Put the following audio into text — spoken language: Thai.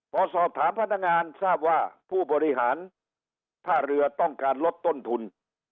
พอสอบถามพนักงานทราบว่าผู้บริหารท่าเรือต้องการลดต้นทุน